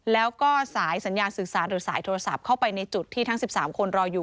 แล้วก็สายสัญญาณสื่อสารหรือสายโทรศัพท์เข้าไปในจุดที่ทั้ง๑๓คนรออยู่